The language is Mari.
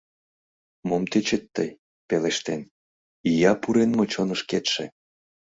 «Мом тӧчет тый? — пелештен, Ия пурен мо чонышкетше?